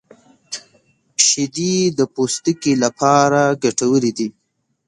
• شیدې د پوستکي لپاره ګټورې دي.